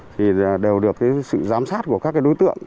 thì đều được sự giám sát của các cái đối tượng